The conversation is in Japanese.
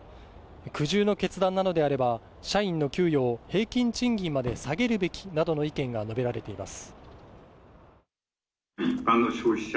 苦渋の決断なのであれば、社員の給与を平均賃金まで下げるべきなどの意見が述べられています。